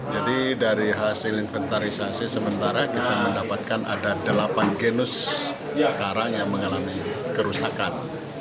jadi dari hasil inventarisasi sementara kita mendapatkan ada delapan genus karang yang mengalami kerusakan